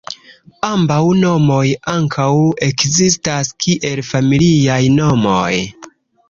Ambaŭ nomoj ankaŭ ekzistas kiel familiaj nomoj.